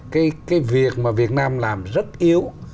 cái việc mà việt nam làm rất yếu